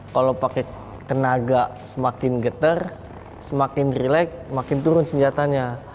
kalau pakai tenaga semakin getar semakin relax makin turun senjatanya